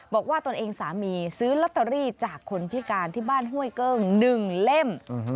ตนเองสามีซื้อลอตเตอรี่จากคนพิการที่บ้านห้วยเกิ้ง๑เล่ม